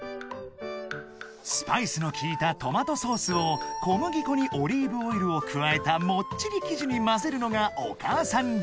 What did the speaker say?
［スパイスのきいたトマトソースを小麦粉にオリーブオイルを加えたもっちり生地にまぜるのがお母さん流］